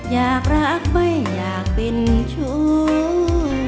อยากรักไม่อยากเป็นชู้